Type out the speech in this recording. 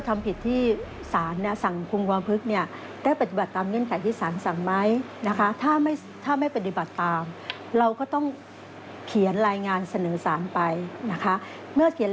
เมื่อเขียนรายงานเสนอสารไป